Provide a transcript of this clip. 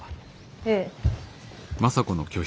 ええ。